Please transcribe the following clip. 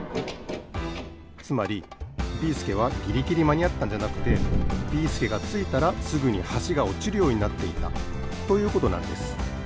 つまりビーすけはギリギリまにあったんじゃなくてビーすけがついたらすぐにはしがおちるようになっていたということなんです。